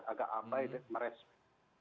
agak abai dan meresmik